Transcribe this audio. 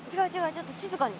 ちょっと静かに。